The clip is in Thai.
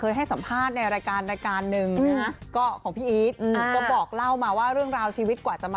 ยกแล้ว